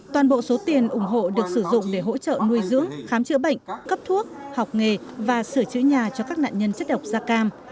toàn bộ số tiền ủng hộ được sử dụng để hỗ trợ nuôi dưỡng khám chữa bệnh cấp thuốc học nghề và sửa chữa nhà cho các nạn nhân chất độc da cam